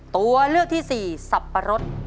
ตัวเลือกที่สี่สับปะรด